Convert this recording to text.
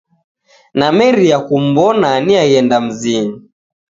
Nameria kum'wona, neghenda mzinyi.